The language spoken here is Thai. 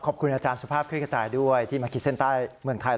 ขอบคุณอาจารย์สุภาพเครื่องกระจายด้วยที่มาเคสเซ็นต์ใต้เมืองไทย